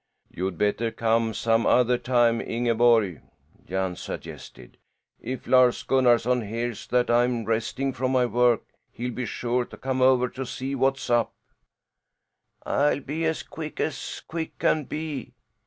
"You'd better come some other time, Ingeborg," Jan suggested. "If Lars Gunnarson hears that I'm resting from my work he'll be sure to come over to see what's up." "I'll be as quick as quick can be.